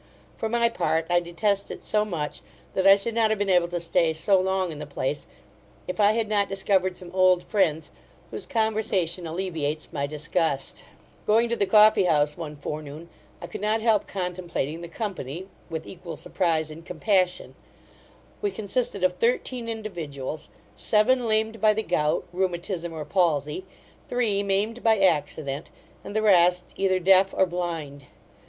For my part, I detest it so much, that I should not have been able to stay so long in the place if I had not discovered some old friends; whose conversation alleviates my disgust Going to the coffeehouse one forenoon, I could not help contemplating the company, with equal surprize and compassion We consisted of thirteen individuals; seven lamed by the gout, rheumatism, or palsy; three maimed by accident; and the rest either deaf or blind.